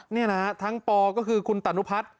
นี่นะฮะทั้งปก็คือคุณตานุพัฒน์